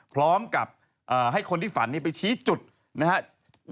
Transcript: พร้อมกับให้คนที่ฝันไปชี้จุดนะครับ